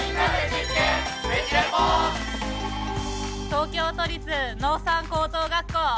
東京都立農産高等学校。